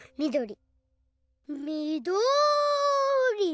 みどり！